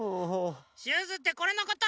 シューズってこれのこと？